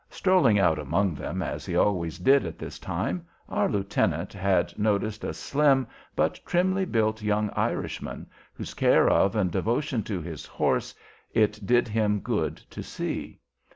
Strolling about among them, as he always did at this time, our lieutenant had noticed a slim but trimly built young Irishman whose care of and devotion to his horse it did him good to see.